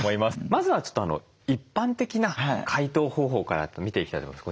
まずはちょっと一般的な解凍方法から見ていきたいと思います。